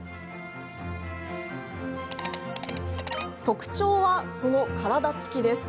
特徴はその体つきです。